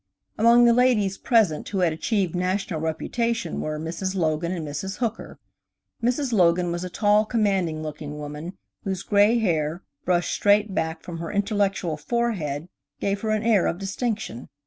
Among the ladies present who had achieved national reputation were Mrs. Logan and Mrs. Hooker. Mrs. Logan was a tall, commanding looking women, whose gray hair, brushed straight back from her intellectual forehead, gave her an air of distinction.